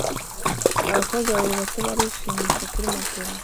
Abakobwa babiri bato barishimisha kuri matelas